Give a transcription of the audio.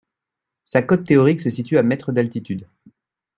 Sa cote théorique se situe à mètres d'altitude.